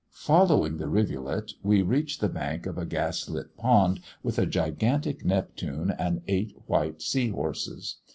Following the rivulet, we reach the bank of a gas lit pond, with a gigantic Neptune and eight white sea horses.